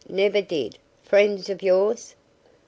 Never did. Friends of yours?"